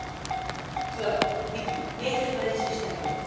そうだ未来面接の練習してあげよっか。